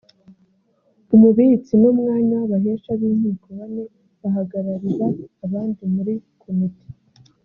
umubitsi n’umwanya w’abahesha b’inkiko bane bahagararira abandi muri komite